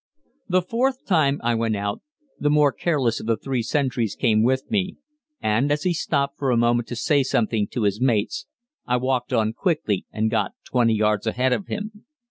The fourth time I went out, the more careless of the three sentries came with me, and as he stopped for a moment to say something to his mates, I walked on quickly and got 20 yards ahead of him.